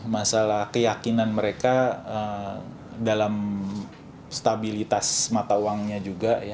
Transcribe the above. masalah keyakinan mereka dalam stabilitas mata uangnya juga